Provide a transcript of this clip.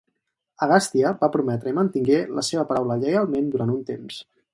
Agastya va prometre i mantingué la seva paraula lleialment durant un temps.